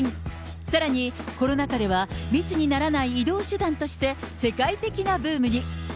さらに、コロナ禍では密にならない移動手段として世界的なブームに。